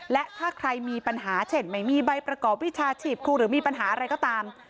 และถ้าใครมีปัญหาเช่นไม่มีใบประกอบวิชาชีพครูหรือมีปัญหาอะไรก็ตาม